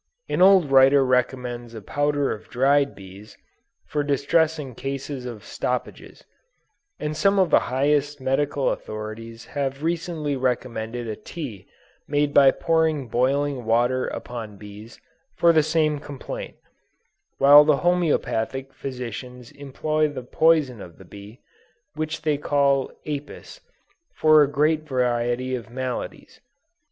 An old writer recommends a powder of dried bees, for distressing cases of stoppages; and some of the highest medical authorities have recently recommended a tea made by pouring boiling water upon bees, for the same complaint, while the homeopathic physicians employ the poison of the bee, which they call apis, for a great variety of maladies.